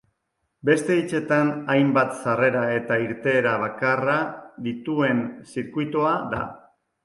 Beste hitzetan, hainbat sarrera eta irteera bakarra dituen zirkuitua da.